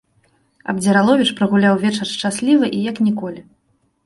Абдзіраловіч прагуляў вечар шчасліва і як ніколі.